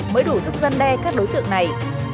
mới đủ giúp dân đe các đối tượng này